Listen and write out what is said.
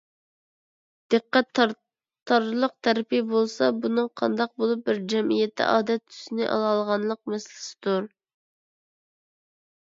دىققەت تارتارلىق تەرىپى بولسا، بۇنىڭ قانداق بولۇپ بىر جەمئىيەتتە ئادەت تۈسىنى ئالالىغانلىق مەسىلىسىدۇر.